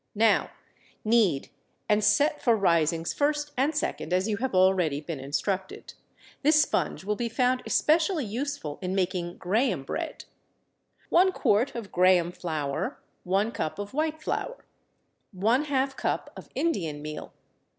_ Now, knead and set for risings first and second, as you have already been instructed. This sponge will be found especially useful in making Graham Bread. One quart of Graham flour, one cup of white flour. One half cup of Indian meal.